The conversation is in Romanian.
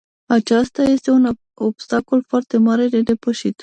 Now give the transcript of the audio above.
Acesta este un obstacol foarte mare de depășit.